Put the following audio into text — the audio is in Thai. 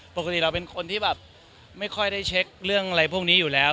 ปกติเราเป็นคนที่แบบไม่ค่อยได้เช็คเรื่องอะไรพวกนี้อยู่แล้ว